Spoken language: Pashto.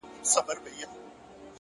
مهرباني د انسانیت خاموشه نغمه ده.!